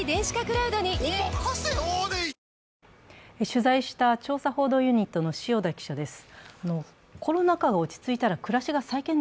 取材した調査報道ユニットの塩田記者です。